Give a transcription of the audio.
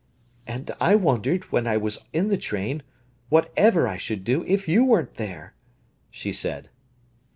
"And I wondered, when I was in the train, what_ever_ I should do if you weren't there!" she said.